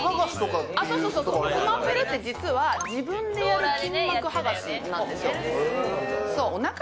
そうそうつまぷるって実は自分でやる筋膜剥がしなんですよ